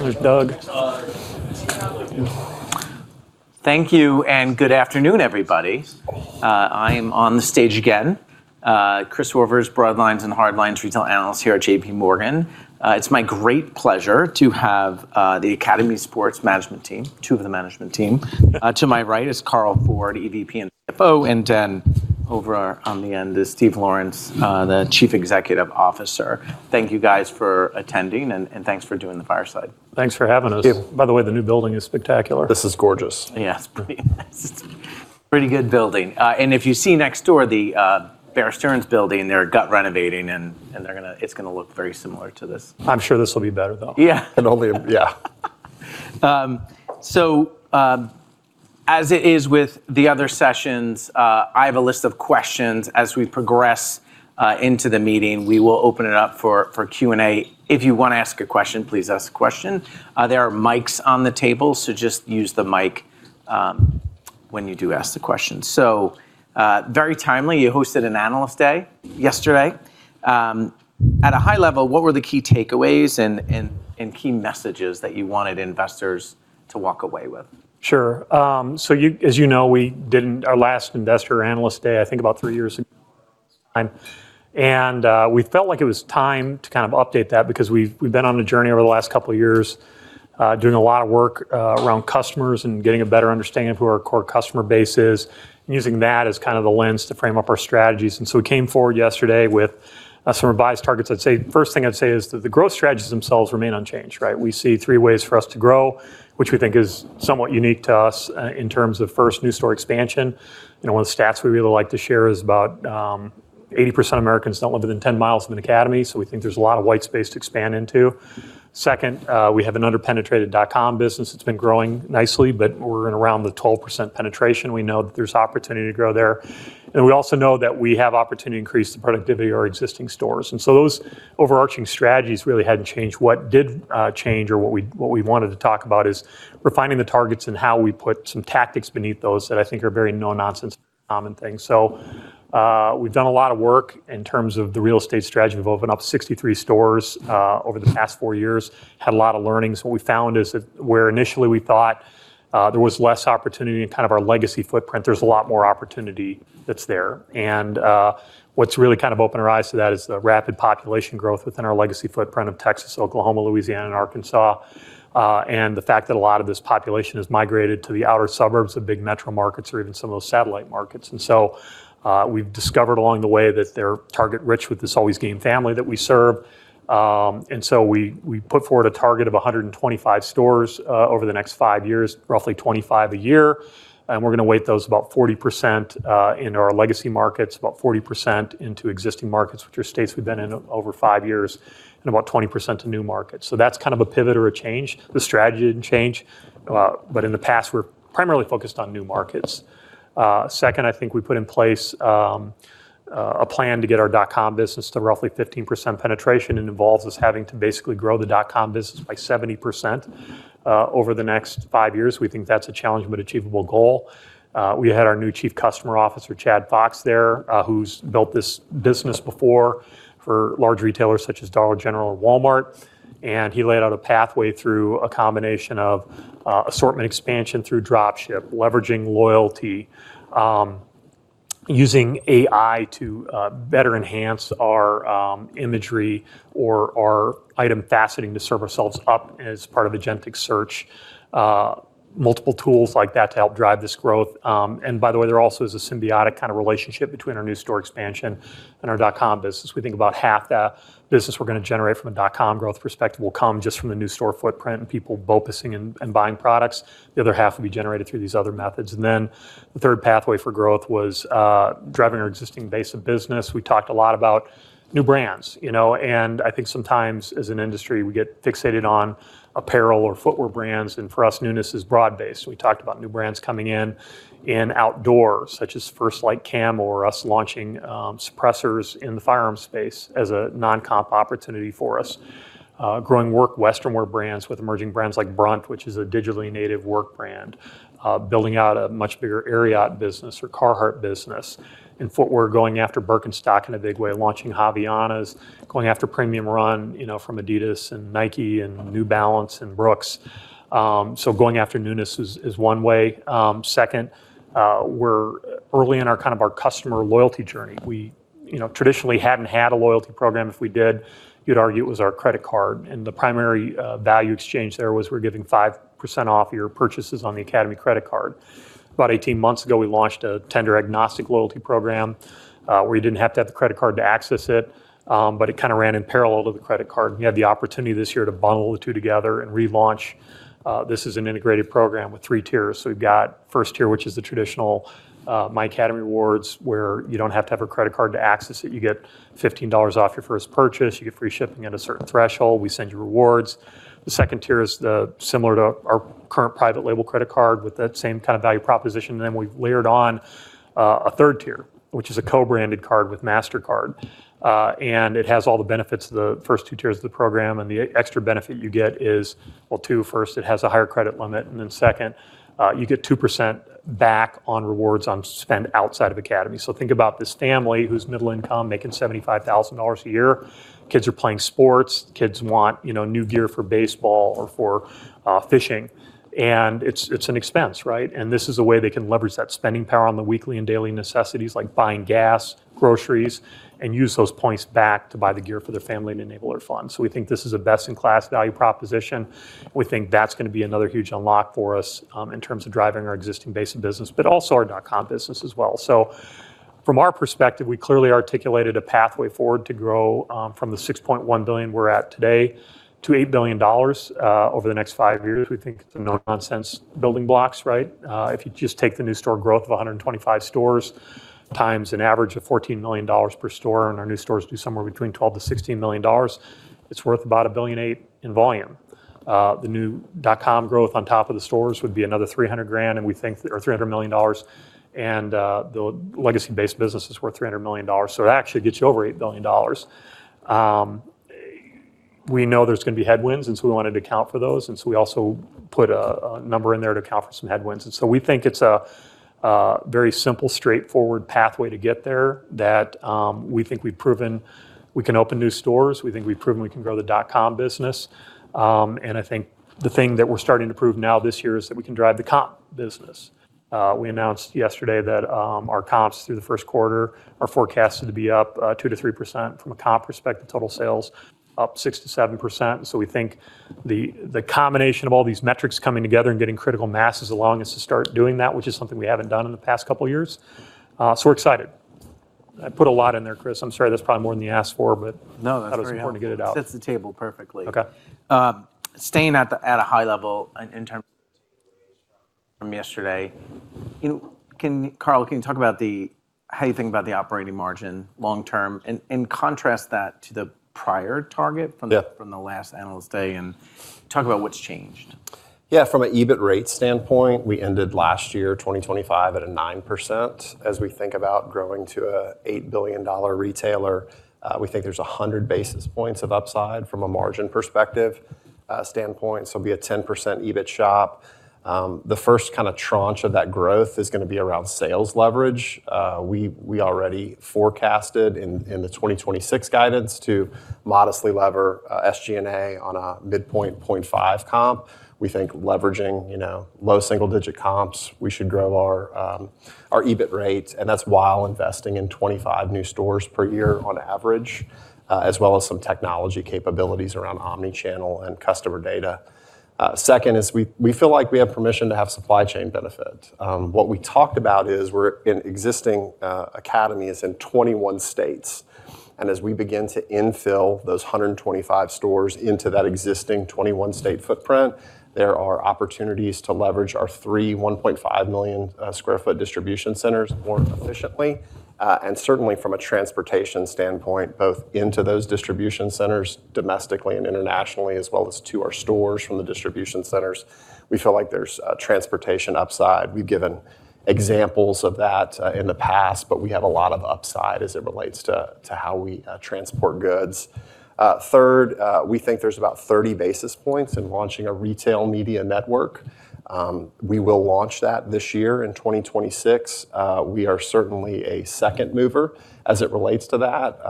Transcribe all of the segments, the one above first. There's Doug. Thank you, and good afternoon, everybody. I am on the stage again. Christopher Horvers, Broad Lines and Hard Lines Retail Analyst here at JPMorgan. It's my great pleasure to have the Academy Sports management team, two of the management team. To my right is Carl Ford, EVP and CFO, and then over on the end is Steve Lawrence, the Chief Executive Officer. Thank you guys for attending, and thanks for doing the fireside. Thanks for having us. Thank you. By the way, the new building is spectacular. This is gorgeous. Yeah, it's pretty nice. Pretty good building. If you see next door, the Bear Stearns building, they're gut renovating, and it's going to look very similar to this. I'm sure this will be better, though. Yeah. Yeah. As it is with the other sessions, I have a list of questions. As we progress into the meeting, we will open it up for Q&A. If you want to ask a question, please ask a question. There are mics on the table, so just use the mic when you do ask the question. Very timely. You hosted an Analyst Day yesterday. At a high level, what were the key takeaways and key messages that you wanted investors to walk away with? Sure. As you know, we did our last investor Analyst Day, I think about three years ago. We felt like it was time to update that because we've been on a journey over the last couple of years doing a lot of work around customers and getting a better understanding of who our core customer base is and using that as kind of the lens to frame up our strategies. We came forward yesterday with some revised targets. First thing I'd say is that the growth strategies themselves remain unchanged, right? We see three ways for us to grow, which we think is somewhat unique to us in terms of, first, new store expansion. One of the stats we really like to share is about 80% of Americans don't live within 10 mi from an Academy, so we think there's a lot of white space to expand into. Second, we have an under-penetrated dot-com business that's been growing nicely, but we're around the 12% penetration. We know that there's opportunity to grow there. We also know that we have opportunity to increase the productivity of our existing stores. Those overarching strategies really hadn't changed. What did change or what we wanted to talk about is refining the targets and how we put some tactics beneath those that I think are very no-nonsense, common things. We've done a lot of work in terms of the real estate strategy. We've opened up 63 stores over the past four years and had a lot of learnings. What we found is that where initially we thought there was less opportunity in kind of our legacy footprint, there's a lot more opportunity that's there. What's really kind of opened our eyes to that is the rapid population growth within our legacy footprint of Texas, Oklahoma, Louisiana, and Arkansas. The fact that a lot of this population has migrated to the outer suburbs of big metro markets or even some of those satellite markets. We've discovered along the way that they're target-rich with this Always Gamer family that we serve. We put forward a target of 125 stores over the next five years, roughly 25 a year. We're going to weight those about 40% in our legacy markets, about 40% into existing markets, which are states we've been in over five years, and about 20% to new markets. That's kind of a pivot or a change. The strategy didn't change, but in the past, we're primarily focused on new markets. Second, I think we put in place a plan to get our dot-com business to roughly 15% penetration. It involves us having to basically grow the dot-com business by 70%, over the next five years. We think that's a challenge, but achievable goal. We had our new Chief Customer Officer, Chad Fox, there, who's built this business before for large retailers such as Dollar General and Walmart, and he laid out a pathway through a combination of assortment expansion through dropship, leveraging loyalty, using AI to better enhance our imagery or our item faceting to serve ourselves up as part of agentic search. Multiple tools like that to help drive this growth. By the way, there also is a symbiotic kind of relationship between our new store expansion and our dot-com business. We think about half that business we're going to generate from a dot-com growth perspective will come just from the new store footprint and people focusing and buying products. The other half will be generated through these other methods. Then the third pathway for growth was driving our existing base of business. We talked a lot about new brands. I think sometimes as an industry, we get fixated on apparel or footwear brands, and for us, newness is broad-based. We talked about new brands coming in outdoors, such as First Lite Camo, or us launching suppressors in the firearm space as a non-comp opportunity for us. Growing work western wear brands with emerging brands like BRUNT, which is a digitally native work brand. Building out a much bigger Ariat business or Carhartt business. In footwear, going after Birkenstock in a big way, launching Havaianas, going after premium run from Adidas and Nike and New Balance and Brooks. Going after newness is one way. Second, we're early in our kind of customer loyalty journey. We traditionally hadn't had a loyalty program. If we did, you'd argue it was our credit card, and the primary value exchange there was we're giving 5% off your purchases on the Academy credit card. About 18 months ago, we launched a tender-agnostic loyalty program, where you didn't have to have the credit card to access it, but it kind of ran in parallel to the credit card. We had the opportunity this year to bundle the two together and relaunch. This is an integrated program with three tiers. We've got first tier, which is the traditional My Academy Rewards, where you don't have to have a credit card to access it. You get $15 off your first purchase, you get free shipping at a certain threshold, we send you rewards. The second tier is similar to our current private label credit card with that same kind of value proposition. We've layered on a third tier, which is a co-branded card with MasterCard. It has all the benefits of the first two tiers of the program, and the extra benefit you get is, well, two. First, it has a higher credit limit, and then second, you get 2% back on rewards on spend outside of Academy. Think about this family who's middle income, making $75,000 a year. Kids are playing sports. Kids want new gear for baseball or for fishing. It's an expense, right? This is a way they can leverage that spending power on the weekly and daily necessities like buying gas, groceries, and use those points back to buy the gear for their family and enable their fun. We think this is a best-in-class value proposition. We think that's going to be another huge unlock for us in terms of driving our existing base of business, but also our dot-com business as well. From our perspective, we clearly articulated a pathway forward to grow from the $6.1 billion we're at today to $8 billion over the next five years. We think it's a no-nonsense building blocks, right? If you just take the new store growth of 125 stores times an average of $14 million per store, and our new stores do somewhere between $12 million-$16 million, it's worth about $1.8 billion in volume. The new dot-com growth on top of the stores would be another 300 grand, and we think, or $300 million, and the legacy-based business is worth $300 million. It actually gets you over $8 billion. We know there's going to be headwinds, and so we wanted to account for those, and so we also put a number in there to account for some headwinds. We think it's a very simple, straightforward pathway to get there, that we think we've proven we can open new stores. We think we've proven we can grow the dot-com business. I think the thing that we're starting to prove now this year is that we can drive the comp business. We announced yesterday that our comps through the first quarter are forecasted to be up 2%-3% from a comp perspective to total sales, up 6%-7%. We think the combination of all these metrics coming together and getting critical mass allowing us to start doing that, which is something we haven't done in the past couple of years. We're excited. I put a lot in there, Chris. I'm sorry. That's probably more than you asked for, but. No, that's very helpful. I thought it was important to get it out. Sets the table perfectly. Okay. Staying at a high level in terms of from yesterday, Carl, can you talk about how you think about the operating margin long term, and contrast that to the prior target? Yeah From the last Analyst Day, and talk about what's changed. Yeah. From an EBIT rate standpoint, we ended last year, 2025, at 9%. As we think about growing to an $8 billion retailer, we think there's 100 basis points of upside from a margin perspective standpoint, so it'll be a 10% EBIT shop. The first tranche of that growth is going to be around sales leverage. We already forecasted in the 2026 guidance to modestly lever SG&A on a midpoint 0.5% comp. We think leveraging low single-digit comps, we should grow our EBIT rates, and that's while investing in 25 new stores per year on average, as well as some technology capabilities around omni-channel and customer data. Second is we feel like we have permission to have supply chain benefit. What we talked about is we're in existing Academy stores in 21 states, and as we begin to infill those 125 stores into that existing 21-state footprint, there are opportunities to leverage our three 1.5 million sq ft distribution centers more efficiently. Certainly from a transportation standpoint, both into those distribution centers domestically and internationally, as well as to our stores from the distribution centers, we feel like there's a transportation upside. We've given examples of that in the past, but we have a lot of upside as it relates to how we transport goods. Third, we think there's about 30 basis points in launching a retail media network. We will launch that this year in 2026. We are certainly a second mover as it relates to that.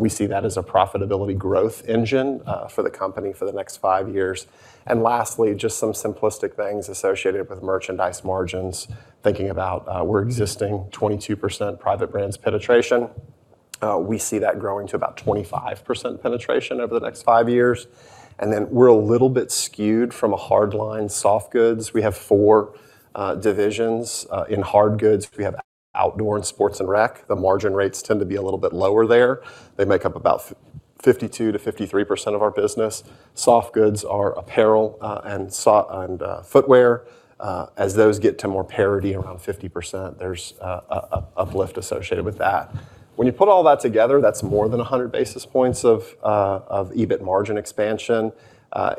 We see that as a profitability growth engine for the company for the next five years. Lastly, just some simplistic things associated with merchandise margins, thinking about our existing 22% private brands penetration. We see that growing to about 25% penetration over the next five years. We're a little bit skewed from a hardlines/soft goods. We have four divisions. In hard goods, we have outdoor and sports and rec. The margin rates tend to be a little bit lower there. They make up about 52%-53% of our business. Soft goods are apparel and footwear. As those get to more parity around 50%, there's an uplift associated with that. When you put all that together, that's more than 100 basis points of EBIT margin expansion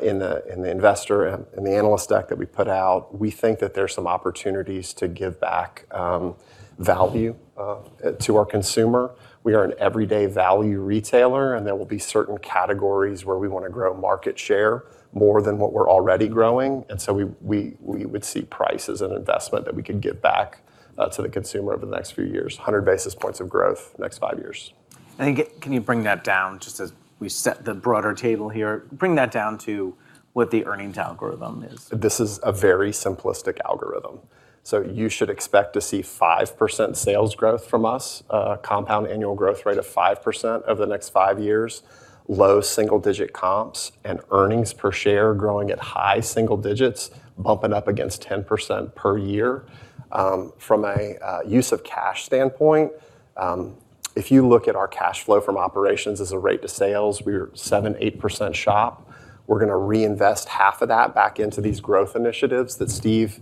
in the investor and the analyst deck that we put out. We think that there's some opportunities to give back value to our consumer. We are an everyday value retailer, and there will be certain categories where we want to grow market share more than what we're already growing. We would see price as an investment that we could give back to the consumer over the next few years, 100 basis points of growth, next five years. Can you bring that down, just as we set the broader table here, bring that down to what the earnings algorithm is. This is a very simplistic algorithm. You should expect to see 5% sales growth from us, a compound annual growth rate of 5% over the next five years, low single-digit comps, and earnings per share growing at high single digits, bumping up against 10% per year. From a use of cash standpoint, if you look at our cash flow from operations as a rate to sales, we're 7%-8% of sales. We're going to reinvest half of that back into these growth initiatives that Steve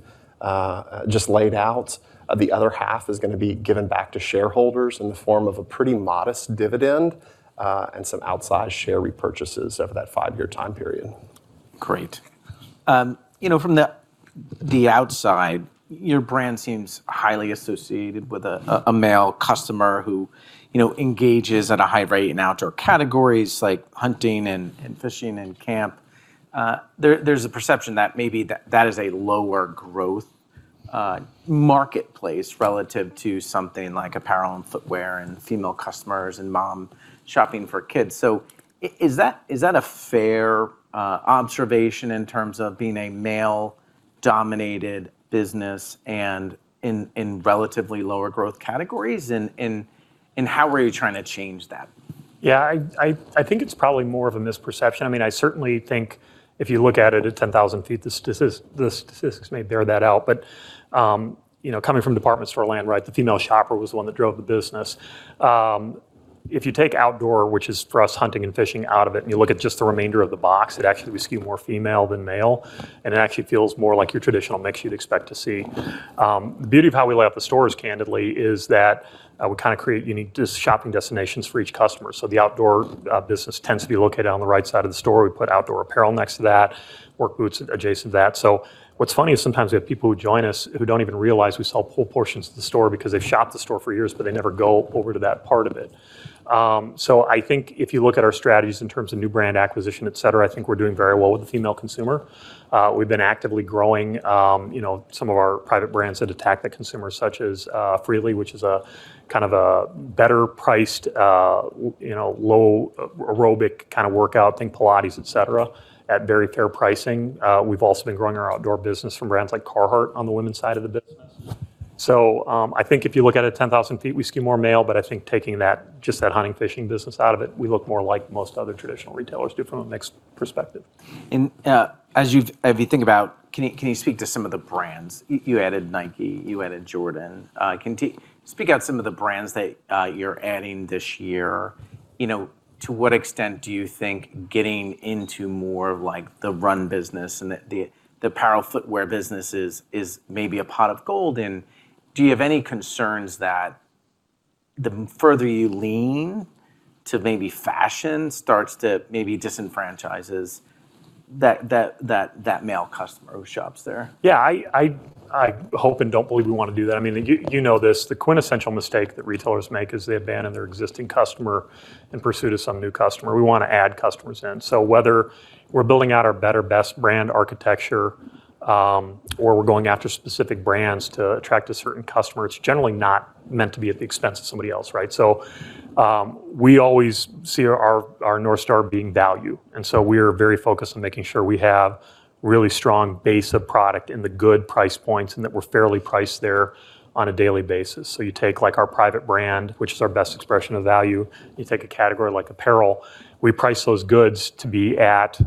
just laid out. The other half is going to be given back to shareholders in the form of a pretty modest dividend, and some outsized share repurchases over that five-year time period. Great. From the outside, your brand seems highly associated with a male customer who engages at a high rate in outdoor categories like hunting and fishing and camp. There's a perception that maybe that is a lower growth marketplace relative to something like apparel and footwear and female customers and mom shopping for kids. Is that a fair observation in terms of being a male-dominated business and in relatively lower growth categories, and how are you trying to change that? Yeah. I think it's probably more of a misperception. I certainly think if you look at it at 10,000 ft, the statistics may bear that out. Coming from department store land, the female shopper was the one that drove the business. If you take outdoor, which is for us, hunting and fishing, out of it, and you look at just the remainder of the box, it actually we skew more female than male, and it actually feels more like your traditional mix you'd expect to see. The beauty of how we lay out the stores, candidly, is that we kind of create unique just shopping destinations for each customer. The outdoor business tends to be located on the right side of the store. We put outdoor apparel next to that, work boots adjacent to that. What's funny is sometimes we have people who join us who don't even realize we sell whole portions of the store because they've shopped the store for years, but they never go over to that part of it. I think if you look at our strategies in terms of new brand acquisition, et cetera, I think we're doing very well with the female consumer. We've been actively growing some of our private brands that attack the consumer, such as Freely, which is a kind of a better-priced low aerobic kind of workout, think Pilates, et cetera, at very fair pricing. We've also been growing our outdoor business from brands like Carhartt on the women's side of the business. I think if you look at it 10,000 ft, we skew more male, but I think taking just that hunting, fishing business out of it, we look more like most other traditional retailers do from a mix perspective. Can you speak to some of the brands? You added Nike, you added Jordan. Speak out some of the brands that you're adding this year. To what extent do you think getting into more of the Run business and the apparel footwear business is maybe a pot of gold, and do you have any concerns that the further you lean to maybe fashion starts to maybe disenfranchises that male customer who shops there? Yeah, I hope you don't believe we want to do that. You know this, the quintessential mistake that retailers make is they abandon their existing customer in pursuit of some new customer. We want to add customers in. Whether we're building out our better, best brand architecture, or we're going after specific brands to attract a certain customer, it's generally not meant to be at the expense of somebody else, right? We always see our North Star being value, and so we are very focused on making sure we have really strong base of product in the good price points, and that we're fairly priced there on a daily basis. You take like our private brand, which is our best expression of value. You take a category like apparel. We price those goods to be at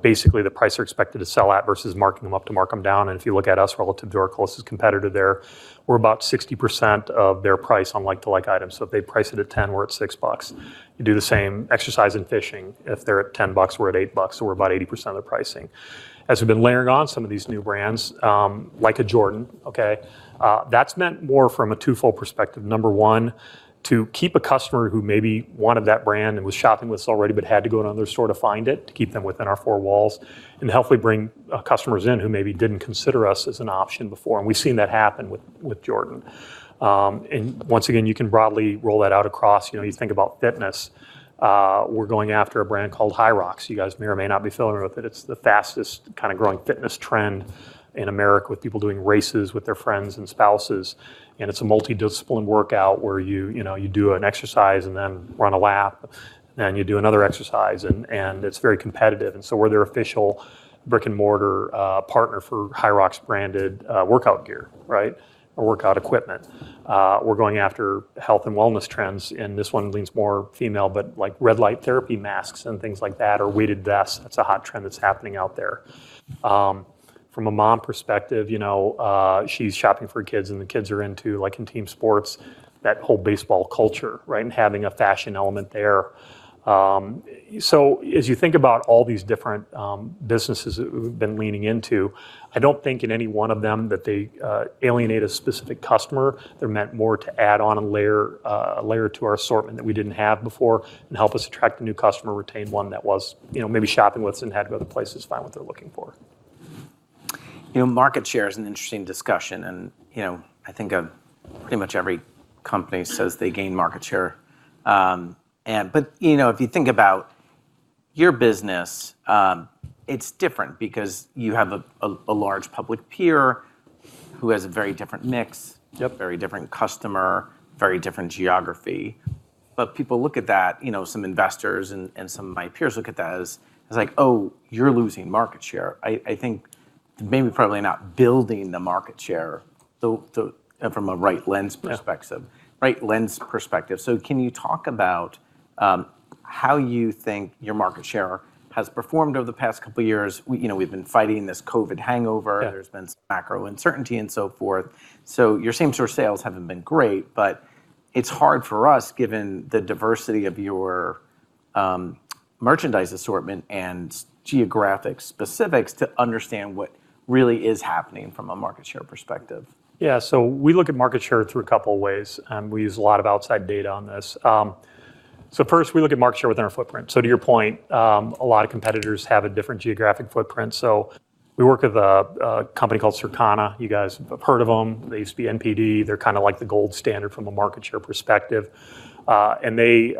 basically the price they're expected to sell at versus marking them up to mark them down. If you look at us relative to our closest competitor there, we're about 60% of their price on like-to-like items. If they price it at $10, we're at $6. You do the same exercise in fishing. If they're at $10, we're at $8, so we're about 80% of the pricing. As we've been layering on some of these new brands, like a Jordan, okay? That's meant more from a twofold perspective. Number one, to keep a customer who maybe wanted that brand and was shopping with us already but had to go to another store to find it, to keep them within our four walls and hopefully bring customers in who maybe didn't consider us as an option before. We've seen that happen with Jordan. Once again, you can broadly roll that out across, you think about fitness. We're going after a brand called HYROX. You guys may or may not be familiar with it. It's the fastest kind of growing fitness trend in America, with people doing races with their friends and spouses. It's a multi-discipline workout where you do an exercise and then run a lap, and you do another exercise, and it's very competitive. We're their official brick-and-mortar partner for HYROX-branded workout gear. Right? Or workout equipment. We're going after health and wellness trends, and this one leans more female, but like red light therapy masks and things like that, or weighted vests. That's a hot trend that's happening out there. From a mom perspective, she's shopping for kids, and the kids are into team sports, that whole baseball culture, right, and having a fashion element there. As you think about all these different businesses that we've been leaning into, I don't think in any one of them that they alienate a specific customer. They're meant more to add on a layer to our assortment that we didn't have before and help us attract a new customer, retain one that was maybe shopping with us and had to go to places to find what they're looking for. Market share is an interesting discussion, and I think pretty much every company says they gain market share. If you think about your business, it's different because you have a large public peer who has a very different mix- Yep Very different customer, very different geography. People look at that, some investors and some of my peers look at that as like, oh, you're losing market share. I think maybe probably not building the market share from a right lens perspective. Yeah. Can you talk about how you think your market share has performed over the past couple of years? We've been fighting this COVID hangover. Yeah There's been some macro uncertainty and so forth. Your same store sales haven't been great, but it's hard for us, given the diversity of your merchandise assortment and geographic specifics, to understand what really is happening from a market share perspective. Yeah. We look at market share through a couple of ways, and we use a lot of outside data on this. First, we look at market share within our footprint. To your point, a lot of competitors have a different geographic footprint. We work with a company called Circana. You guys have heard of them. They used to be NPD. They're kind of like the gold standard from a market share perspective. They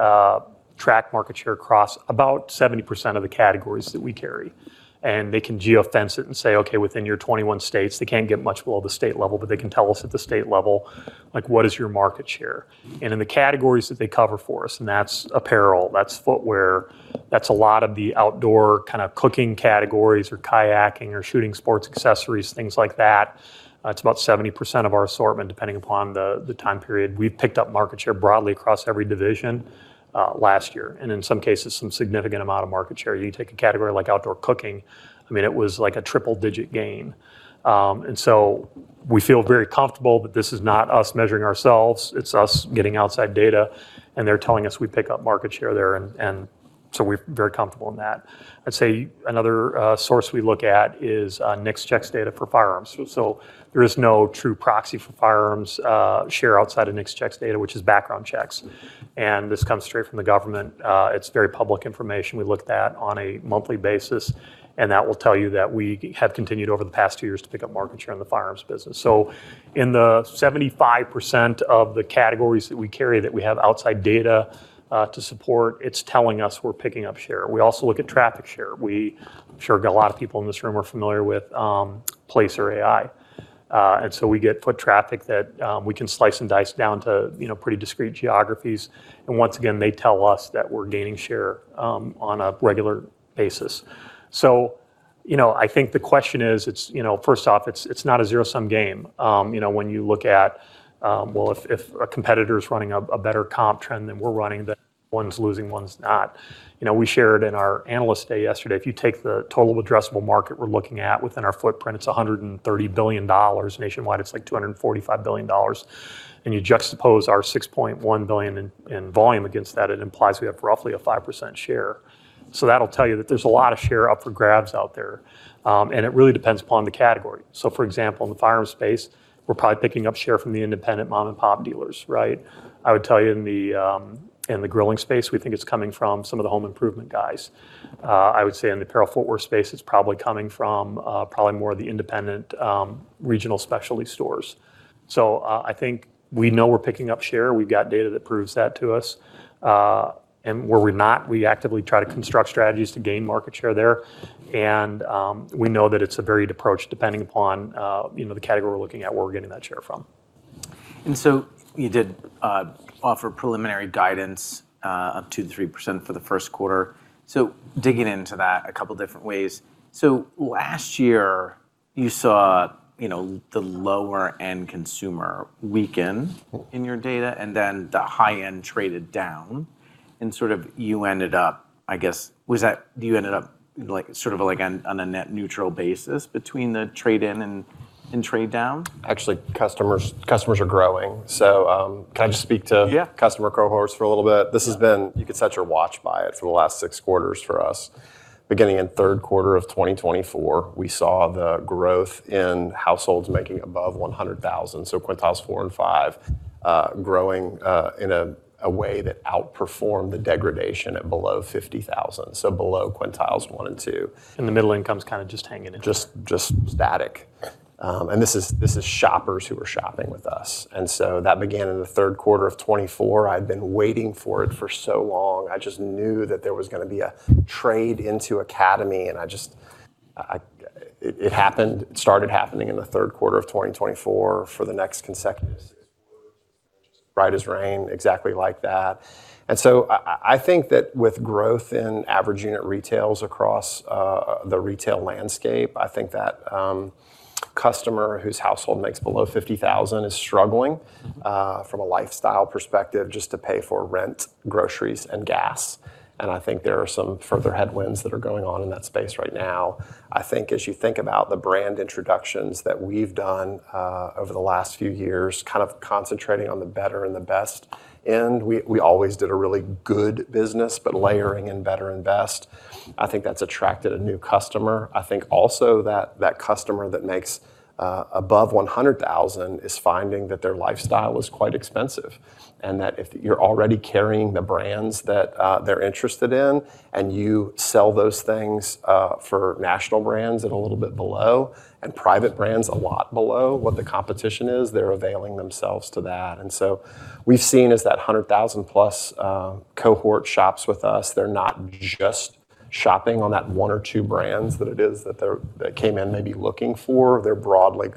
track market share across about 70% of the categories that we carry. They can geo-fence it and say, okay, within your 21 states, they can't get much below the state level, but they can tell us at the state level, like, what is your market share? In the categories that they cover for us, and that's apparel, that's footwear, that's a lot of the outdoor kind of cooking categories or kayaking or shooting, sports accessories, things like that. It's about 70% of our assortment, depending upon the time period. We've picked up market share broadly across every division, last year, and in some cases, some significant amount of market share. You take a category like outdoor cooking, it was like a triple-digit gain. We feel very comfortable that this is not us measuring ourselves. It's us getting outside data, and they're telling us we pick up market share there and so we're very comfortable in that. I'd say another source we look at is NICS checks data for firearms. There is no true proxy for firearms share outside of NICS checks data, which is background checks, and this comes straight from the government. It's very public information. We look at that on a monthly basis, and that will tell you that we have continued over the past two years to pick up market share in the firearms business. In the 75% of the categories that we carry, that we have outside data to support, it's telling us we're picking up share. We also look at traffic share. We, I'm sure, got a lot of people in this room are familiar with Placer AI. We get foot traffic that we can slice and dice down to pretty discrete geographies. Once again, they tell us that we're gaining share on a regular basis. I think the question is, first off, it's not a zero-sum game. When you look at, well, if a competitor is running a better comp trend than we're running, then one's losing, one's not. We shared in our Analyst Day yesterday, if you take the total addressable market we're looking at within our footprint, it's $130 billion. Nationwide, it's like $245 billion. You juxtapose our $6.1 billion in volume against that, it implies we have roughly a 5% share. That'll tell you that there's a lot of share up for grabs out there, and it really depends upon the category. For example, in the firearm space, we're probably picking up share from the independent mom-and-pop dealers, right? I would tell you in the grilling space, we think it's coming from some of the home improvement guys. I would say in the apparel footwear space, it's probably coming from probably more of the independent regional specialty stores. I think we know we're picking up share. We've got data that proves that to us. Where we're not, we actively try to construct strategies to gain market share there. We know that it's a varied approach depending upon the category we're looking at, where we're getting that share from. You did offer preliminary guidance of 2%-3% for the first quarter. Digging into that a couple different ways. Last year, you saw the lower-end consumer weaken in your data, and then the high-end traded down and sort of you ended up, I guess, sort of on a net neutral basis between the trade-in and trade-down? Actually, customers are growing. Can I just speak to- Yeah Customer cohorts for a little bit? This has been, you could set your watch by it, for the last six quarters for us. Beginning in third quarter of 2024, we saw the growth in households making above $100,000. Quintiles four and five, growing in a way that outperformed the degradation at below $50,000. Below quintiles one and two. The middle income's kind of just hanging in there. Just static. This is shoppers who are shopping with us. That began in the third quarter of 2024. I'd been waiting for it for so long. I just knew that there was going to be a trade into Academy, and it started happening in the third quarter of 2024 for the next consecutive six quarters. Right as rain, exactly like that. I think that with growth in average unit retail across the retail landscape, I think that customer whose household makes below $50,000 is struggling, from a lifestyle perspective, just to pay for rent, groceries, and gas. I think there are some further headwinds that are going on in that space right now. I think as you think about the brand introductions that we've done over the last few years, kind of concentrating on the better and the best, and we always did a really good business, but layering in better and best, I think that's attracted a new customer. I think also that that customer that makes above $100,000 is finding that their lifestyle is quite expensive, and that if you're already carrying the brands that they're interested in and you sell those things, for national brands at a little bit below and private brands a lot below what the competition is, they're availing themselves to that. We've seen as that $100,000+ cohort shops with us, they're not just shopping on that one or two brands that it is that they came in maybe looking for. They're broadly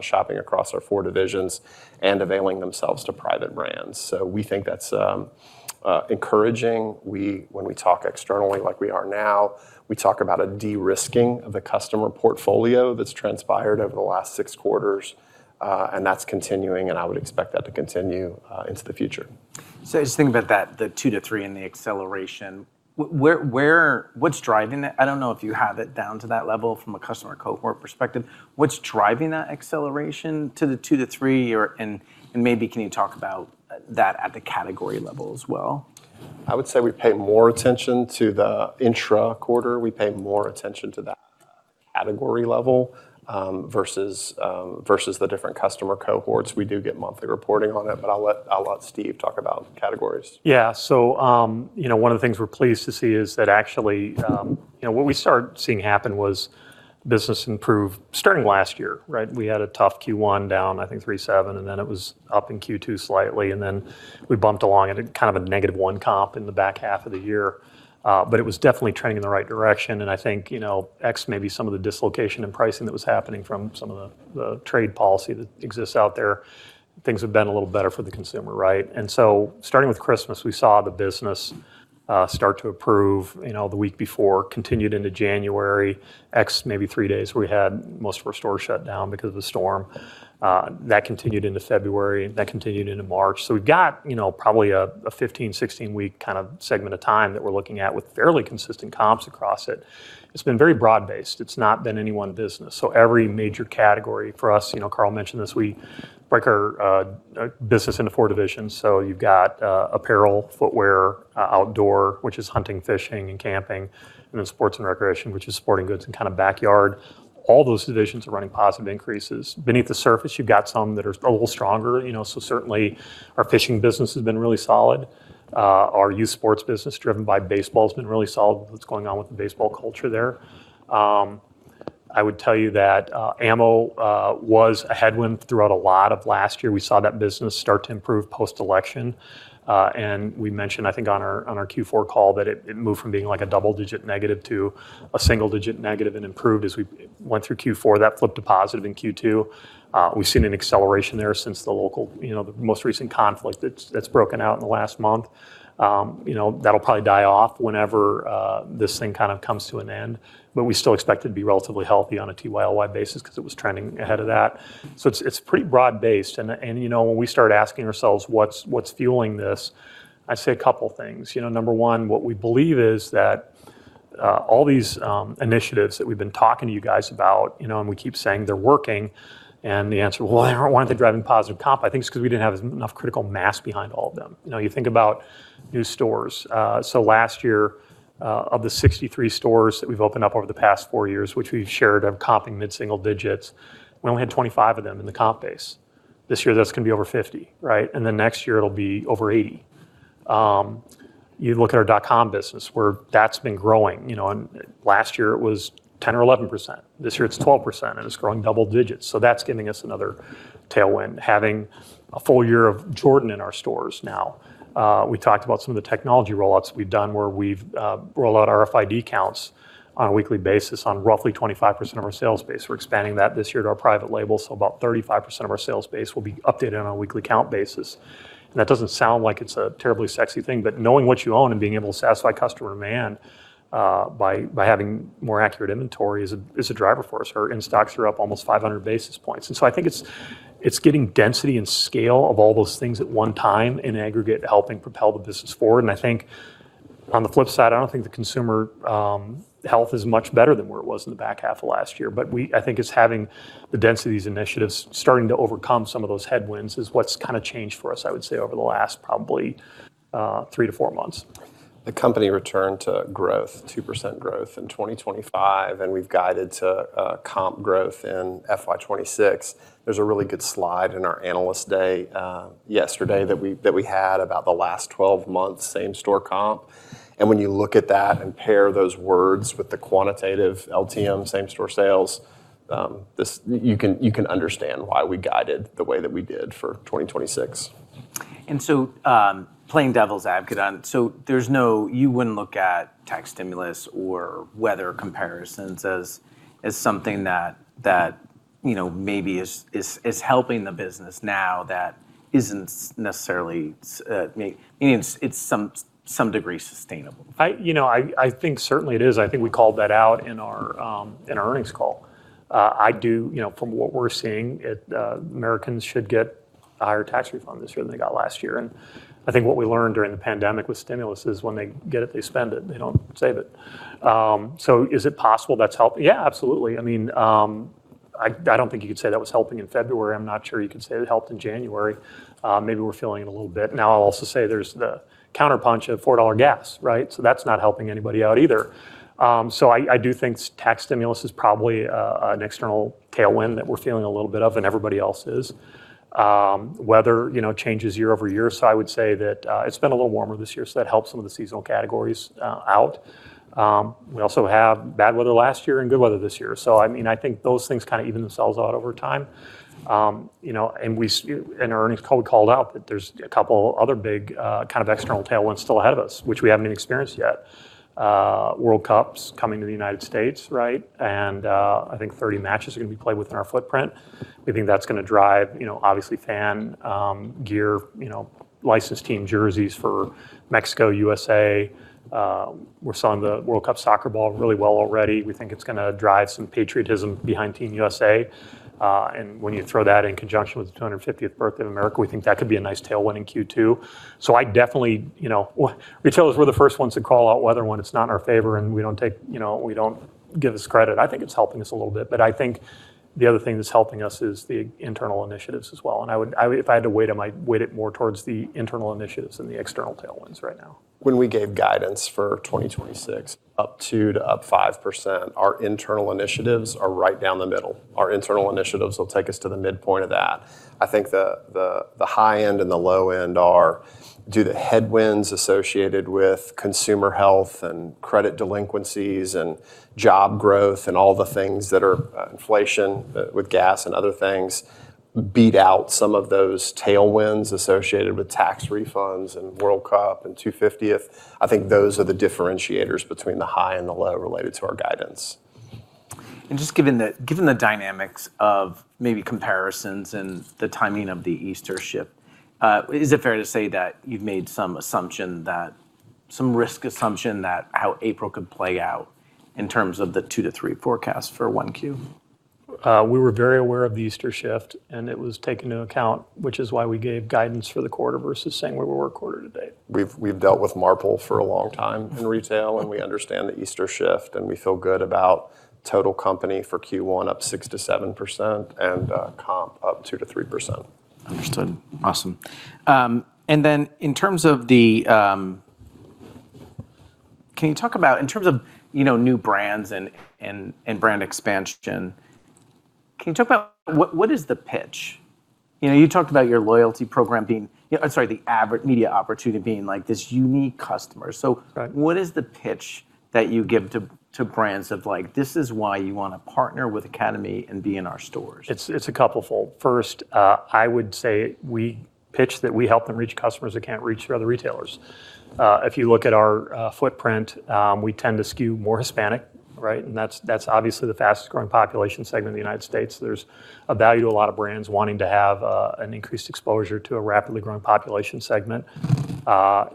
shopping across our four divisions and availing themselves to private brands. We think that's encouraging. When we talk externally like we are now, we talk about a de-risking of the customer portfolio that's transpired over the last six quarters, and that's continuing, and I would expect that to continue into the future. I just think about that, the 2%-3% and the acceleration. What's driving it? I don't know if you have it down to that level from a customer cohort perspective. What's driving that acceleration to the 2%-3%, and maybe can you talk about that at the category level as well? I would say we pay more attention to the intra-quarter. We pay more attention to that category level, versus the different customer cohorts. We do get monthly reporting on it, but I'll let Steve talk about categories. One of the things we're pleased to see is that actually, what we started seeing happen was business improved starting last year, right? We had a tough Q1 down 3.7%, and then it was up in Q2 slightly, and then we bumped along at kind of a -1% comp in the back half of the year. It was definitely trending in the right direction, and I think, ex maybe some of the dislocation in pricing that was happening from some of the trade policy that exists out there, things have been a little better for the consumer, right? Starting with Christmas, we saw the business start to improve the week before, continued into January, ex maybe three days where we had most of our stores shut down because of the storm. That continued into February, that continued into March. We've got probably a 15-16-week kind of segment of time that we're looking at with fairly consistent comps across it. It's been very broad-based. It's not been any one business. Every major category for us, Carl mentioned this, we break our business into four divisions. You've got apparel, footwear, outdoor, which is hunting, fishing, and camping, and then sports and recreation, which is sporting goods and kind of backyard. All those divisions are running positive increases. Beneath the surface, you've got some that are a little stronger. Certainly our fishing business has been really solid. Our youth sports business, driven by baseball, has been really solid with what's going on with the baseball culture there. I would tell you that ammo was a headwind throughout a lot of last year. We saw that business start to improve post-election. We mentioned, I think on our Q4 call, that it moved from being a double-digit negative to a single-digit negative and improved as we went through Q4. That flipped to positive in Q2. We've seen an acceleration there since the most recent conflict that's broken out in the last month. That'll probably die off whenever this thing comes to an end. We still expect it to be relatively healthy on a TYLY basis because it was trending ahead of that. It's pretty broad-based. When we start asking ourselves what's fueling this, I'd say a couple things. Number one, what we believe is that all these initiatives that we've been talking to you guys about, and we keep saying they're working, and the answer, "Well, why aren't they driving positive comp?" I think it's because we didn't have enough critical mass behind all of them. You think about new stores. Last year, of the 63 stores that we've opened up over the past four years, which we've shared are comping mid-single digits, we only had 25 of them in the comp base. This year, that's going to be over 50, right? Then next year, it'll be over 80. You look at our dot-com business, where that's been growing, and last year, it was 10% or 11%. This year, it's 12%, and it's growing double digits. That's giving us another tailwind, having a full year of Jordan in our stores now. We talked about some of the technology roll-outs we've done, where we've rolled out RFID counts on a weekly basis on roughly 25% of our sales base. We're expanding that this year to our private label, so about 35% of our sales base will be updated on a weekly count basis. That doesn't sound like it's a terribly sexy thing, but knowing what you own and being able to satisfy customer demand by having more accurate inventory is a driver for us. Our in-stocks are up almost 500 basis points. I think it's getting density and scale of all those things at one time in aggregate helping propel the business forward, and I think on the flip side, I don't think the consumer health is much better than where it was in the back half of last year. I think it's having the density of these initiatives starting to overcome some of those headwinds is what's changed for us, I would say, over the last probably three to four months. The company returned to growth, 2% growth in 2025, and we've guided to comp growth in FY 2026. There's a really good slide in our Analyst Day yesterday that we had about the last 12 months same-store comp, and when you look at that and pair those words with the quantitative LTM same-store sales, you can understand why we guided the way that we did for 2026. Playing devil's advocate, you wouldn't look at tax stimulus or weather comparisons as something that maybe is helping the business now that isn't necessarily in some degree sustainable. I think certainly it is. I think we called that out in our earnings call. From what we're seeing, Americans should get higher tax refunds this year than they got last year. I think what we learned during the pandemic with stimulus is when they get it, they spend it. They don't save it. Is it possible that's helping? Yeah, absolutely. I don't think you could say that was helping in February. I'm not sure you could say it helped in January. Maybe we're feeling it a little bit now. I'll also say there's the counterpunch of $4 gas, right? That's not helping anybody out either. I do think tax stimulus is probably an external tailwind that we're feeling a little bit of, and everybody else is. Weather changes year-over-year, so I would say that it's been a little warmer this year, so that helps some of the seasonal categories out. We also have bad weather last year and good weather this year. I think those things even themselves out over time. In our earnings call, we called out that there's a couple other big external tailwinds still ahead of us, which we haven't experienced yet. World Cup's coming to the United States, right? I think 30 matches are going to be played within our footprint. We think that's going to drive, obviously, fan gear, licensed team jerseys for Mexico, USA. We're selling the World Cup soccer ball really well already. We think it's going to drive some patriotism behind Team USA. When you throw that in conjunction with the 250th birthday of America, we think that could be a nice tailwind in Q2. Retailers, we're the first ones to call out weather when it's not in our favor, and we don't give ourselves credit. I think it's helping us a little bit, but I think the other thing that's helping us is the internal initiatives as well. If I had to weight them, I'd weight it more towards the internal initiatives than the external tailwinds right now. When we gave guidance for 2026, up 2%-5%, our internal initiatives are right down the middle. Our internal initiatives will take us to the midpoint of that. I think the high end and the low end are due to the headwinds associated with consumer health and credit delinquencies and job growth and all the things that are inflation with gas and other things beat out some of those tailwinds associated with tax refunds and World Cup and 250th. I think those are the differentiators between the high and the low related to our guidance. Just given the dynamics of maybe comparisons and the timing of the Easter shift, is it fair to say that you've made some risk assumption that how April could play out in terms of the 2%-3% forecast for 1Q? We were very aware of the Easter shift, and it was taken into account, which is why we gave guidance for the quarter versus saying we were quarter to date. We've dealt with Marple for a long time in retail, and we understand the Easter shift, and we feel good about total company for Q1 up 6%-7% and comp up 2%-3%. Understood. Awesome. Can you talk about in terms of new brands and brand expansion? Can you talk about what is the pitch? You talked about the average media opportunity being this unique customer. Right. What is the pitch that you give to brands of like, this is why you want to partner with Academy and be in our stores? It's a couple-fold. First, I would say we pitch that we help them reach customers that can't reach other retailers. If you look at our footprint, we tend to skew more Hispanic. Right? And that's obviously the fastest-growing population segment in the United States. There's a value to a lot of brands wanting to have an increased exposure to a rapidly growing population segment.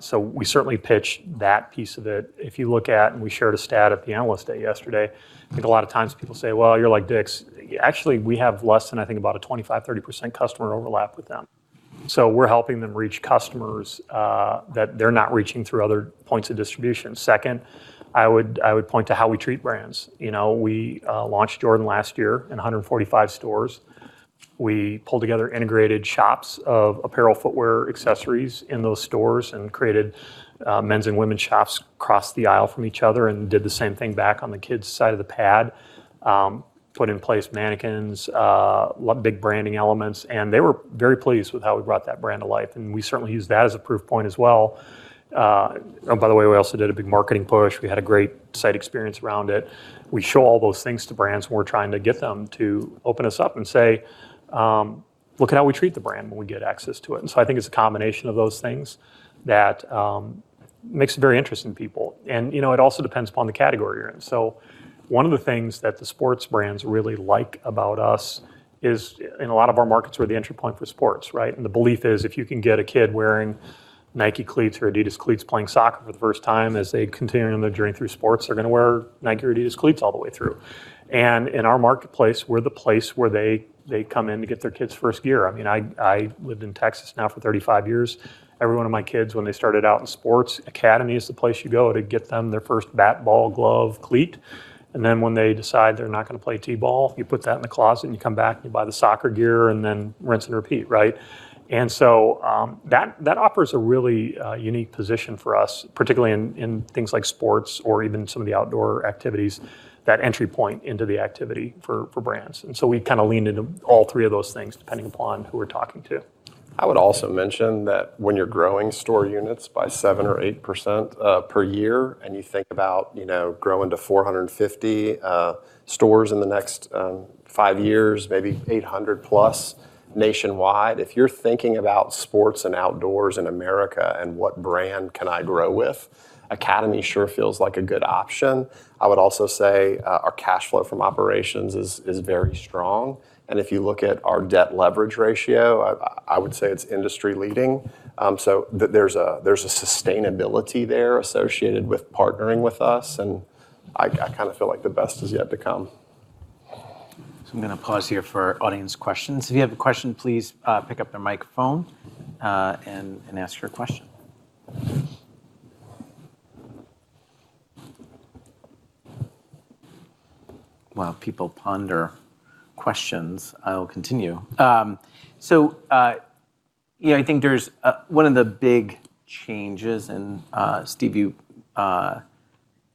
So we certainly pitch that piece of it. If you look at, and we shared a stat at the Analyst Day yesterday, I think a lot of times people say, well, you're like DICK'S. Actually, we have less than, I think, about a 25%-30% customer overlap with them. So we're helping them reach customers that they're not reaching through other points of distribution. Second, I would point to how we treat brands. We launched Jordan last year in 145 stores. We pulled together integrated shops of apparel, footwear, accessories in those stores and created men's and women's shops across the aisle from each other and did the same thing back on the kids' side of the pad, put in place mannequins, big branding elements, and they were very pleased with how we brought that brand to life, and we certainly used that as a proof point as well. Oh, by the way, we also did a big marketing push. We had a great sight experience around it. We show all those things to brands, and we're trying to get them to open us up and say, look at how we treat the brand when we get access to it. I think it's a combination of those things that makes it very interesting to people. It also depends upon the category you're in. One of the things that the sports brands really like about us is in a lot of our markets, we're the entry point for sports, right? The belief is if you can get a kid wearing Nike cleats or Adidas cleats playing soccer for the first time as they continue on their journey through sports, they're going to wear Nike or Adidas cleats all the way through. In our marketplace, we're the place where they come in to get their kids' first gear. I lived in Texas now for 35 years. Every one of my kids, when they started out in sports, Academy is the place you go to get them their first bat, ball, glove, cleat. Then when they decide they're not going to play T-ball, you put that in the closet, and you come back, and you buy the soccer gear, and then rinse and repeat. Right? That offers a really unique position for us, particularly in things like sports or even some of the outdoor activities, that entry point into the activity for brands. We kind of leaned into all three of those things, depending upon who we're talking to. I would also mention that when you're growing store units by 7% or 8% per year, and you think about growing to 450 stores in the next five years, maybe 800+ nationwide, if you're thinking about sports and outdoors in America and what brand can I grow with, Academy sure feels like a good option. I would also say our cash flow from operations is very strong. If you look at our debt leverage ratio, I would say it's industry-leading. There's a sustainability there associated with partnering with us, and I kind of feel like the best is yet to come. I'm going to pause here for audience questions. If you have a question, please pick up the microphone and ask your question. While people ponder questions, I will continue. I think one of the big changes, and Steve, you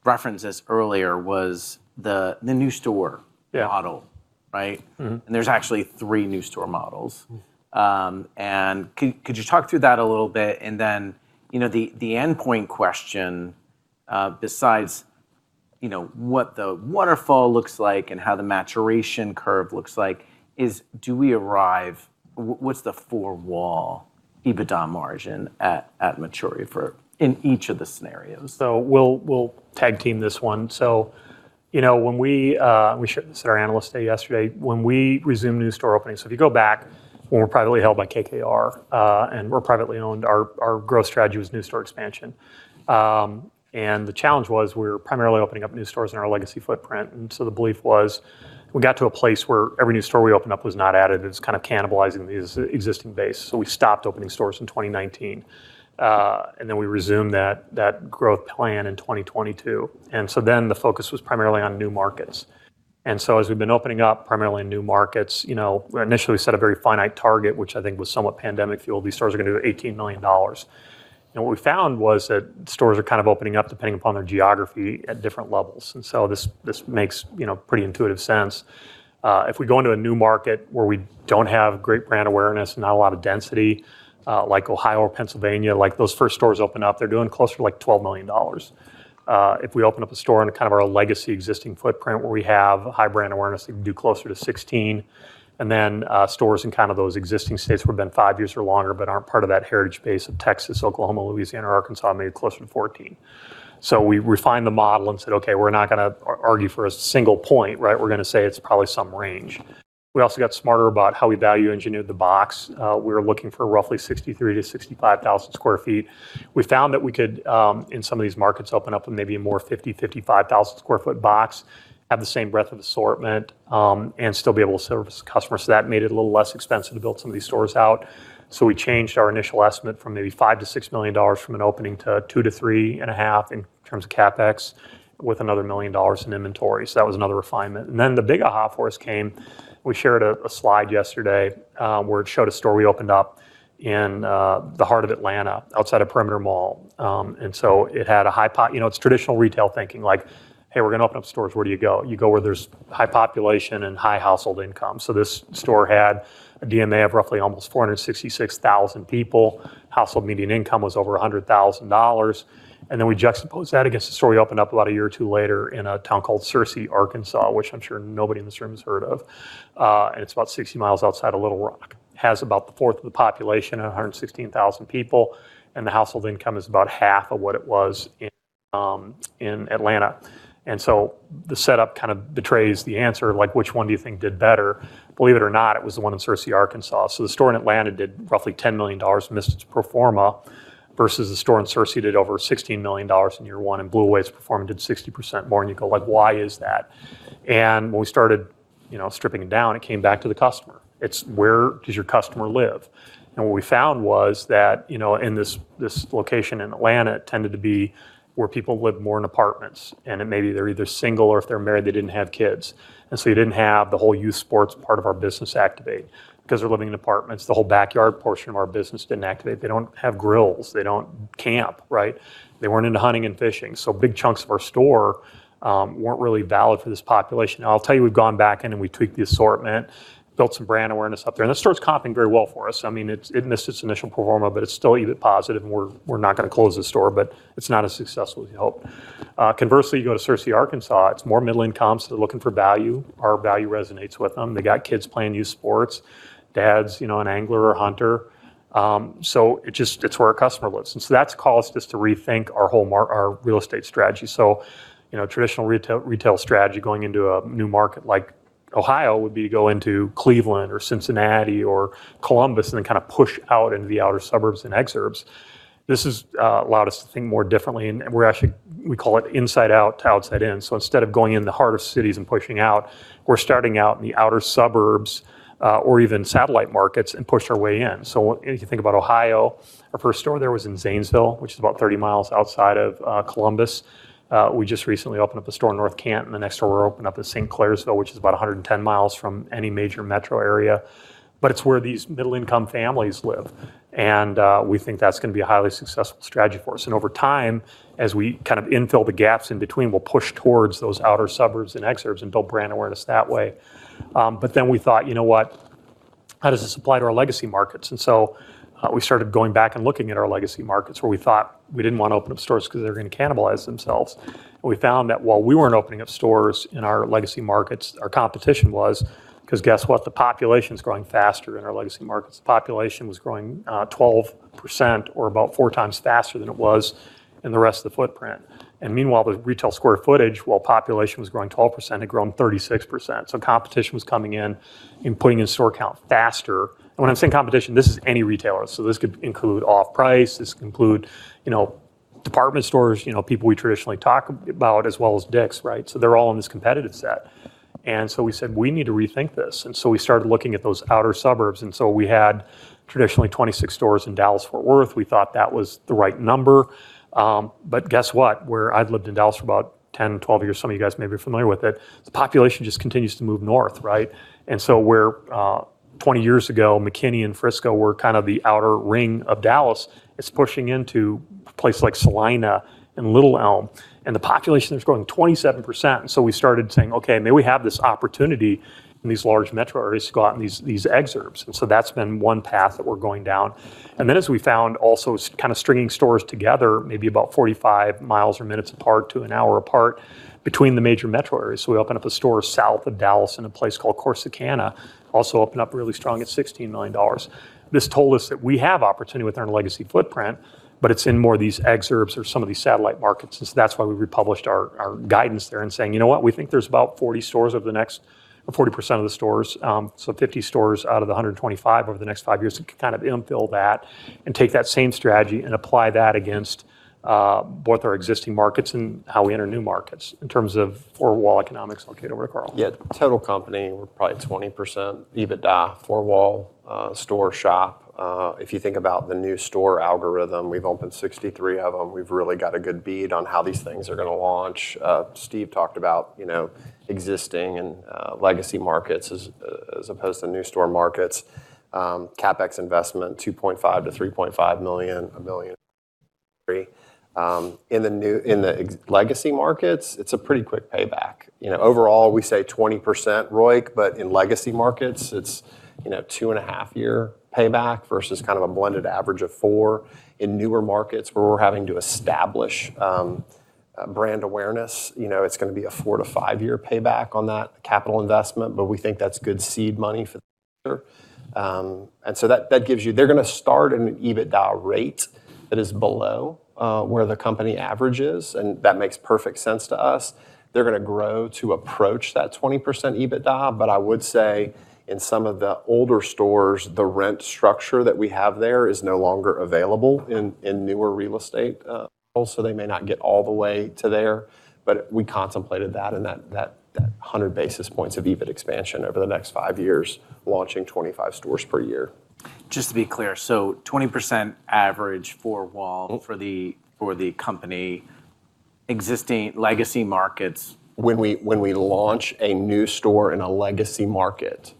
referenced this earlier, was the new store- Yeah Model. Right? Mm-hmm. There's actually three new store models. Mm-hmm. Could you talk through that a little bit? The endpoint question, besides what the waterfall looks like and how the maturation curve looks like is, what's the four-wall EBITDA margin at maturity in each of the scenarios? We'll tag-team this one. We shared this at our Analyst Day yesterday, when we resumed new store openings. If you go back when we're privately held by KKR, and we're privately owned, our growth strategy was new store expansion. The challenge was we were primarily opening up new stores in our legacy footprint, and so the belief was we got to a place where every new store we opened up was not added, and it's kind of cannibalizing the existing base. We stopped opening stores in 2019. We resumed that growth plan in 2022. The focus was primarily on new markets. As we've been opening up primarily new markets, initially, we set a very finite target, which I think was somewhat pandemic-fueled. These stores are going to do $18 million. What we found was that stores are kind of opening up depending upon their geography at different levels. This makes pretty intuitive sense. If we go into a new market where we don't have great brand awareness, not a lot of density, like Ohio or Pennsylvania, like those first stores open up, they're doing closer to like $12 million. If we open up a store in kind of our legacy existing footprint where we have high brand awareness, it can do closer to $16 million. Stores in kind of those existing states where we've been five years or longer but aren't part of that heritage base of Texas, Oklahoma, Louisiana, or Arkansas, may do closer to $14 million. We refined the model and said, okay, we're not going to argue for a single point, right? We're going to say it's probably some range. We also got smarter about how we value engineered the box. We were looking for roughly 63,000 sq ft-65,000 sq ft. We found that we could, in some of these markets, open up maybe a 50,000 sq ft-55,000 sq ft box, have the same breadth of assortment, and still be able to service customers. That made it a little less expensive to build some of these stores out. We changed our initial estimate from maybe $5 million-$6 million for an opening to $2 million-$3.5 million in terms of CapEx with another $1 million in inventory. That was another refinement. Then the big aha for us came, we shared a slide yesterday, where it showed a store we opened up in the heart of Atlanta, outside of Perimeter Mall. It's traditional retail thinking like, Hey, we're going to open up stores. Where do you go? You go where there's high population and high household income. This store had a DMA of roughly almost 466,000 people. Household median income was over $100,000. Then we juxtaposed that against the store we opened up about a year or two later in a town called Searcy, Arkansas, which I'm sure nobody in this room has heard of. It's about 60 mi outside of Little Rock, has about the fourth of the population, at 116,000 people, and the household income is about half of what it was in Atlanta. The setup kind of betrays the answer, like which one do you think did better? Believe it or not, it was the one in Searcy, Arkansas. The store in Atlanta did roughly $10 million, missed its pro forma, versus the store in Searcy did over $16 million in year one and blew away its pro forma, did 60% more, and you go like, why is that? When we started stripping it down, it came back to the customer. It's where does your customer live? What we found was that in this location in Atlanta, it tended to be where people lived more in apartments, and maybe they're either single or if they're married, they didn't have kids. You didn't have the whole youth sports part of our business activate. Because they're living in apartments, the whole backyard portion of our business didn't activate. They don't have grills. They don't camp. They weren't into hunting and fishing. So big chunks of our store weren't really valid for this population. I'll tell you, we've gone back in and we tweaked the assortment, built some brand awareness up there, and that store's comping very well for us. It missed its initial pro forma, but it's still EBIT positive and we're not going to close the store, but it's not as successful as we hoped. Conversely, you go to Searcy, Arkansas, it's more middle income, so they're looking for value. Our value resonates with them. They got kids playing youth sports, dad's an angler or hunter. It's where our customer lives. That's caused us to rethink our real estate strategy. Traditional retail strategy going into a new market like Ohio would be to go into Cleveland or Cincinnati or Columbus and then kind of push out into the outer suburbs and exurbs. This has allowed us to think more differently, and we're actually, we call it inside out to outside in. Instead of going in the heart of cities and pushing out, we're starting out in the outer suburbs, or even satellite markets, and push our way in. If you think about Ohio, our first store there was in Zanesville, which is about 30 mi outside of Columbus. We just recently opened up a store in North Canton. The next store we're opening up is in Clairsville, which is about 110 mi from any major metro area, but it's where these middle-income families live, and we think that's going to be a highly successful strategy for us. Over time, as we kind of infill the gaps in between, we'll push towards those outer suburbs and exurbs and build brand awareness that way. We thought, you know what, how does this apply to our legacy markets? We started going back and looking at our legacy markets where we thought we didn't want to open up stores because they were going to cannibalize themselves. We found that while we weren't opening up stores in our legacy markets, our competition was, because guess what? The population's growing faster in our legacy markets. The population was growing 12% or about 4x faster than it was in the rest of the footprint. Meanwhile, the retail square footage, while population was growing 12%, had grown 36%. Competition was coming in and putting in store count faster. When I'm saying competition, this is any retailer. This could include off-price, this could include department stores, people we traditionally talk about as well as DICK'S. They're all in this competitive set. We said, we need to rethink this. We started looking at those outer suburbs, and so we had traditionally 26 stores in Dallas-Fort Worth. We thought that was the right number. Guess what? I've lived in Dallas for about 10, 12 years. Some of you guys may be familiar with it. The population just continues to move north. Where 20 years ago, McKinney and Frisco were kind of the outer ring of Dallas, it's pushing into places like Celina and Little Elm, and the population there is growing 27%. We started saying, okay, maybe we have this opportunity in these large metro areas to go out in these exurbs. That's been one path that we're going down. As we found also kind of stringing stores together, maybe about 45 mi or minutes apart to an hour apart between the major metro areas. We opened up a store south of Dallas in a place called Corsicana, also opened up really strong at $16 million. This told us that we have opportunity within our legacy footprint, but it's in more of these exurbs or some of these satellite markets. That's why we republished our guidance there and saying, you know what, we think there's about 40 stores over the next five years, or 40% of the stores, so 50 stores out of the 125 over the next five years, and can kind of infill that and take that same strategy and apply that against both our existing markets and how we enter new markets in terms of four-wall economics. I'll kick it over to Carl. Yeah. Total company, we're probably 20% four-wall EBITDA. If you think about the new store algorithm, we've opened 63 of them. We've really got a good bead on how these things are going to launch. Steve talked about existing and legacy markets as opposed to new store markets. CapEx investment, $2.5 million-$3.5 million, $1 million in the legacy markets, it's a pretty quick payback. Overall, we say 20% ROIC, but in legacy markets, it's a two and half-year payback versus a blended average of four. In newer markets where we're having to establish brand awareness, it's going to be a four to five-year payback on that capital investment, but we think that's good seed money for the future. That gives you, they're going to start at an EBITDA rate that is below where the company average is, and that makes perfect sense to us. They're going to grow to approach that 20% EBITDA, but I would say in some of the older stores, the rent structure that we have there is no longer available in newer real estate, so they may not get all the way to there. We contemplated that, and that 100 basis points of EBIT expansion over the next five years, launching 25 stores per year. Just to be clear, 20% average four-wall for the company existing legacy markets. When we launch a new store in a legacy market.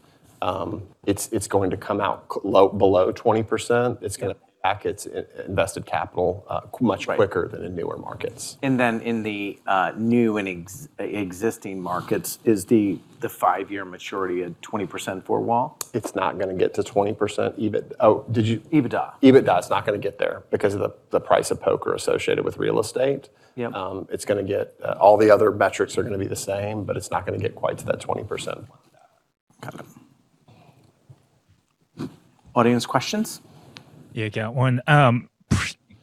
It's going to come out below 20%. It's going to back its invested capital much quicker than in newer markets. In the new and existing markets, is the five-year maturity at 20% four-wall? It's not going to get to 20% EBIT. Oh, did you EBITDA. EBITDA, it's not going to get there because of the price of poker associated with real estate. Yep. All the other metrics are going to be the same, but it's not going to get quite to that 20%. Got it. Audience questions? Yeah, got one.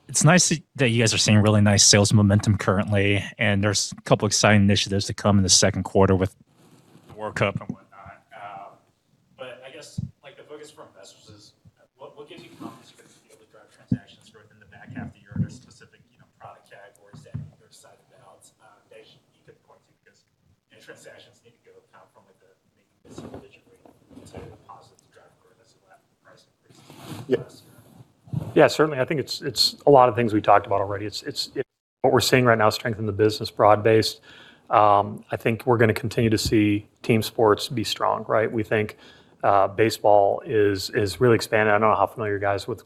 It's nice that you guys are seeing really nice sales momentum currently, and there's a couple exciting initiatives to come in the second quarter with the World Cup and whatnot. I guess, the focus for investors is, what gives you confidence you're going to be able to drive transactions growth in the back half of the year in a specific product category that you're excited about that you can point to? Because transactions need to go kind of from a maybe single-digit rate to positive to drive growth, and that's what happened with price increases last year. Yeah, certainly. I think it's a lot of things we talked about already. What we're seeing right now is strength in the business, broad-based. I think we're going to continue to see team sports be strong. We think baseball is really expanding. I don't know how familiar you guys are with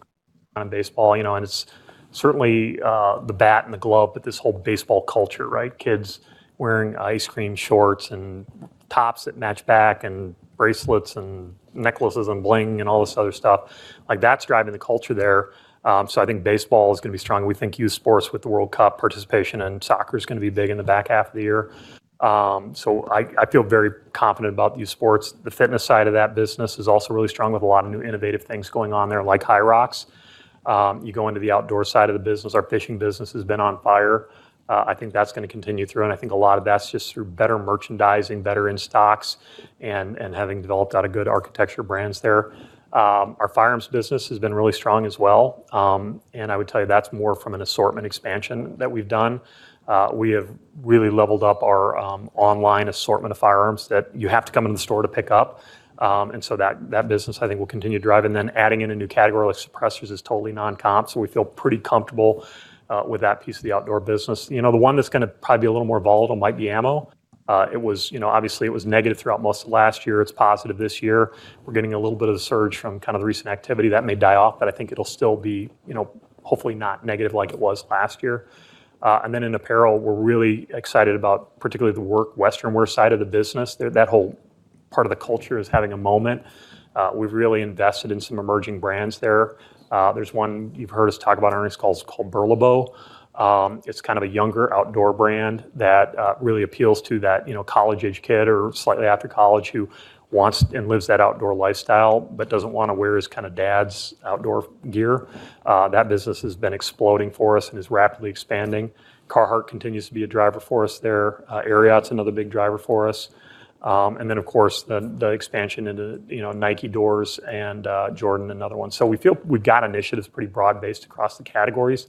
baseball, and it's certainly the bat and the glove, but this whole baseball culture. Kids wearing ice cream shorts and tops that match back and bracelets and necklaces and bling and all this other stuff. That's driving the culture there. I think baseball is going to be strong. We think youth sports with the World Cup participation and soccer's going to be big in the back half of the year. I feel very confident about youth sports. The fitness side of that business is also really strong with a lot of new innovative things going on there, like HYROX. You go into the outdoor side of the business. Our fishing business has been on fire. I think that's going to continue through, and I think a lot of that's just through better merchandising, better in-stocks, and having developed out a good architecture brands there. Our firearms business has been really strong as well. I would tell you that's more from an assortment expansion that we've done. We have really leveled up our online assortment of firearms that you have to come into the store to pick up. That business, I think will continue to drive. Adding in a new category like suppressors is totally non-comp, so we feel pretty comfortable with that piece of the outdoor business. The one that's going to probably be a little more volatile might be ammo. Obviously, it was negative throughout most of last year. It's positive this year. We're getting a little bit of the surge from kind of the recent activity. That may die off, but I think it'll still be hopefully not negative like it was last year. Then in apparel, we're really excited about particularly the Westernwear side of the business. That whole part of the culture is having a moment. We've really invested in some emerging brands there. There's one you've heard us talk about on earnings call, it's called Burlebo. It's kind of a younger outdoor brand that really appeals to that college-age kid or slightly after college who wants and lives that outdoor lifestyle but doesn't want to wear his dad's outdoor gear. That business has been exploding for us and is rapidly expanding. Carhartt continues to be a driver for us there. Ariat's another big driver for us. Of course, the expansion into Nike doors and Jordan, another one. We feel we've got initiatives pretty broad-based across the categories.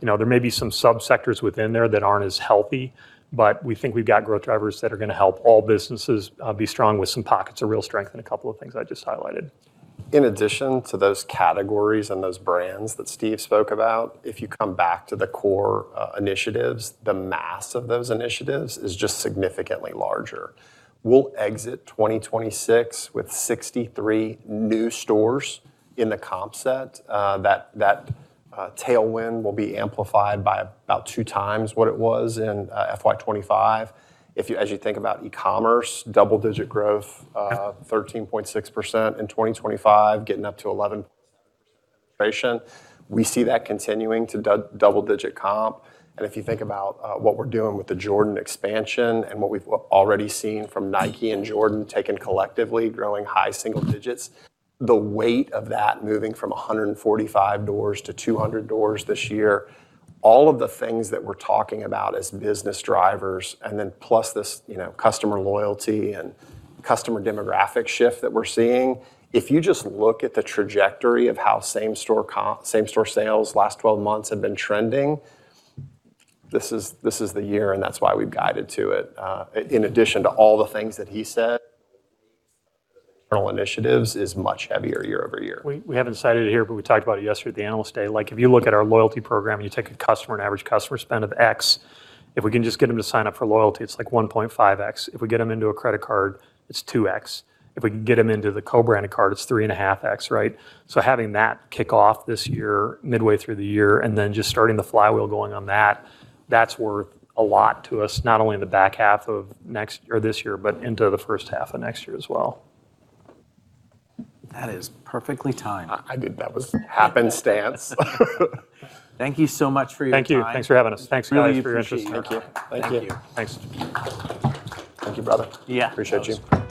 There may be some sub-sectors within there that aren't as healthy, but we think we've got growth drivers that are going to help all businesses be strong with some pockets of real strength in a couple of things I just highlighted. In addition to those categories and those brands that Steve spoke about, if you come back to the core initiatives, the mass of those initiatives is just significantly larger. We'll exit 2026 with 63 new stores in the comp set. That tailwind will be amplified by about two times what it was in FY 2025. As you think about e-commerce, double-digit growth, 13.6% in 2025, getting up to 11% completion. We see that continuing to double-digit comp. If you think about what we're doing with the Jordan expansion and what we've already seen from Nike and Jordan taken collectively, growing high single digits, the weight of that moving from 145 doors to 200 doors this year, all of the things that we're talking about as business drivers, and then plus this customer loyalty and customer demographic shift that we're seeing. If you just look at the trajectory of how same-store sales last 12 months have been trending, this is the year, and that's why we've guided to it. In addition to all the things that he said, initiatives is much heavier year-over-year. We haven't cited it here, but we talked about it yesterday at the Analyst Day. If you look at our loyalty program, and you take a customer, an average customer spend of X, if we can just get them to sign up for loyalty, it's like 1.5X. If we get them into a credit card, it's 2X. If we can get them into the co-branded card, it's 3.5X. Having that kick off this year, midway through the year, and then just starting the flywheel going on that's worth a lot to us, not only in the back half of this year, but into the first half of next year as well. That is perfectly timed. I did, that was happenstance. Thank you so much for your time. Thank you. Thanks for having us. Thanks, guys, for your interest. Really appreciate your time. Thank you. Thank you. Thanks. Thank you, brother. Yeah. Appreciate you.